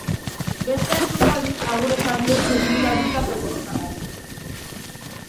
Beste askok, aldiz, agur esan dio txirrindulatza profesionalari.